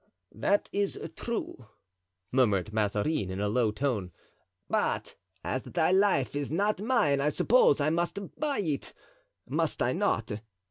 "That is true," murmured Mazarin, in a low tone, "but as thy life is not mine I suppose I must buy it, must I not?"